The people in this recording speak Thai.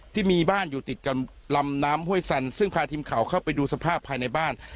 ที่มีบ้านอยู่ติดกับลำน้ำห้วยสันซึ่งพาทีมข่าวเข้าไปดูสภาพภายในบ้าน